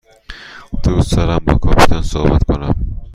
دوست دارم با کاپیتان صحبت کنم.